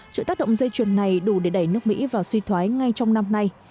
chuyện tác động dây chuyển này đủ để đẩy nước mỹ vào suy thoái ngay trong năm nay